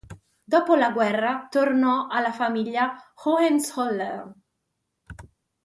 Dopo la guerra tornò alla famiglia Hohenzollern.